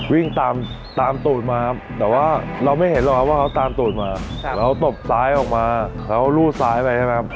วิ่งตามตามตูดมาครับแต่ว่าเราไม่เห็นหรอกครับว่าเขาตามตูดมาเราตบซ้ายออกมาเขารูดซ้ายไปใช่ไหมครับ